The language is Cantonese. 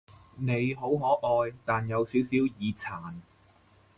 你好可愛，但有少少耳殘